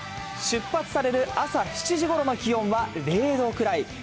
出発される朝７時ごろの気温は０度くらい。